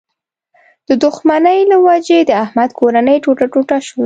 د دوښمنۍ له و جې د احمد کورنۍ ټوټه ټوټه شوله.